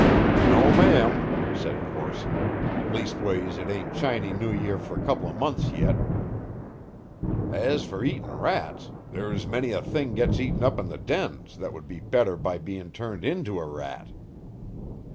"No, ma'am," said Corson, "leastways it ain't Chaney New Year for a couple of months yet. As for eatin' rats, there's many a thing gets eaten up in the dens that would be better by bein' turned into a rat."